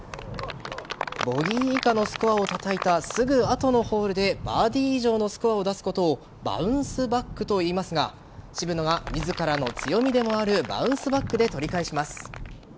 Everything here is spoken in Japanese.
ボギー以下のスコアをたたいたすぐ後のホールでバーディー以上のスコアを出すことをバウンスバックといいますが渋野が自らの強みでもあるバウンスバックで取り返します。